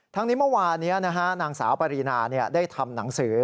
นี้เมื่อวานี้นางสาวปรีนาได้ทำหนังสือ